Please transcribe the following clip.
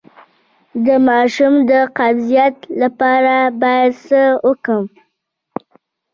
د ماشوم د قبضیت لپاره باید څه وکړم؟